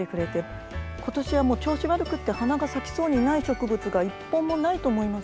今年は調子悪くて花が咲きそうにない植物が一本もないと思います。